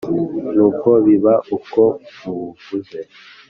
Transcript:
nuko biba uko mubuvuze